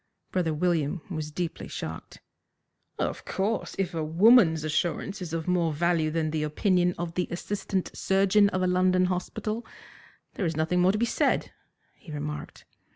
Brother William was deeply shocked. "Of course, if a woman's assurance is of more value than the opinion of the assistant surgeon of a London hospital, there is nothing more to be said," he remarked.